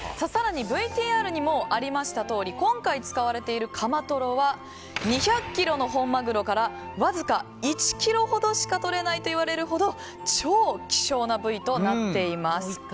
更にＶＴＲにもありましたように今回使われているカマトロは２００ｋｇの本マグロからわずか１ｋｇほどしか取れないといわれるほど超希少な部位となっています。